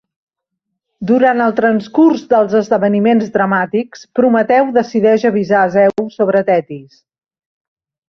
Durant el transcurs dels esdeveniments dramàtics, Prometeu decideix avisar a Zeus sobre Tetis.